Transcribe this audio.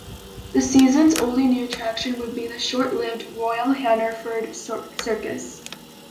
The season's only new attraction would be the short-lived Royal Hannerford Circus.